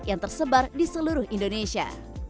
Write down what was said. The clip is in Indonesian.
yang tersebar di seluruh indonesia